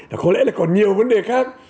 có lẽ là còn nhiều vấn đề khác